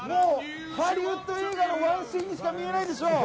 ハリウッド映画のワンシーンにしか見えないでしょう。